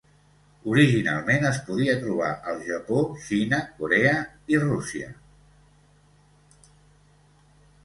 Originalment es podia trobar al Japó, Xina, Corea i Rússia.